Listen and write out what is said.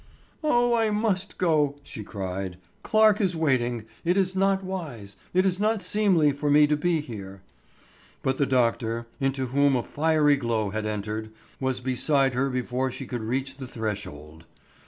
"Oh, I must go," she cried. "Clarke is waiting; it is not wise; it is not seemly for me to be here." But the doctor, into whom a fiery glow had entered, was beside her before she could reach the threshold.